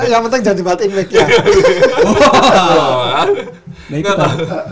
yang penting jangan dibatuin backnya